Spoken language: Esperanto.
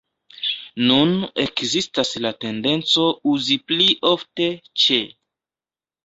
Nun ekzistas la tendenco uzi pli ofte "ĉe".